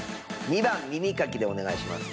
２番耳かきでお願いします。